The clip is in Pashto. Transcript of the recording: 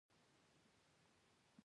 دوی په هر سکتور کې کار کوي.